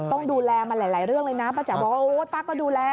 ต้องดูแลมันหลายเรื่องเลยนะป้าแจ๋วบอกว่าโอ๊ยป้าก็ดูแล